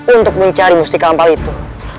untuk mencari musti kampal itu